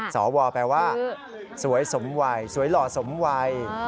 สวแปลว่าสวยสมวัยสวยหล่อสมวัย